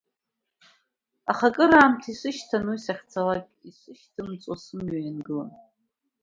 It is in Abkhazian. Аха акраамҭа исышьҭан уи сахьцалак, исышьҭымҵуа, сымҩа иангылан…